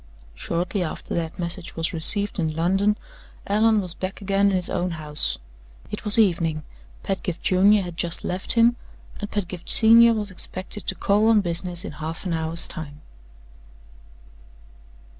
Shortly after that message was received in London, Allan was back again in his own house. It was evening Pedgift Junior had just left him and Pedgift Senior was expected to call on business in half an hour's time.